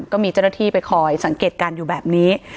ก็มีเจ้าหน้าที่ไปคอยสังเกตการณ์อยู่แบบนี้